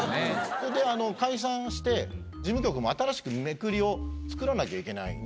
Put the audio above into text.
それで解散して事務局も新しくめくりを作らなきゃいけないので。